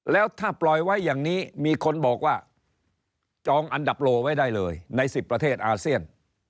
แล้วถ้าปล่อยไว้อย่างนี้มีคนบอกว่าจองอันดับโลไว้ได้เลยใน๑๐ประเทศอาเซียน